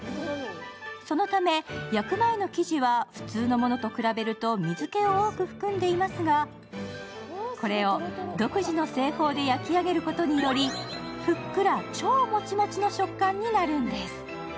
そのため、焼く前の生地は普通のものと比べると水けを多く含んでいますが、これを独自の製法で焼き上げることによりふっくら超もちもちの食感になるんです。